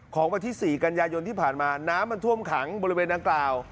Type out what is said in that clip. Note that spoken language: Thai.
ของประทิศรีกัญญายนที่ผ่านมาน้ำมันท่วมขังบริเวณด้านกล่าว